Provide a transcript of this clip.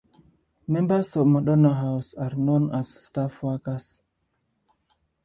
Members of Madonna House are known as staff workers.